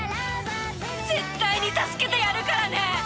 絶対に助けてやるからね！